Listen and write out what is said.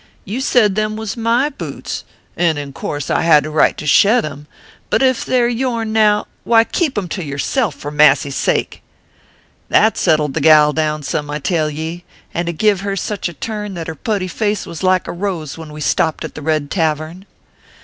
You sed them was my butes, and in course I had a right to shed em ; but ef they re your n now, why keep em to yourself, for massy s sake !" That settled the gal down some, I tell ye ; and it give her such a turn that her putty face was like a rose when we stopt at the Red Tavern."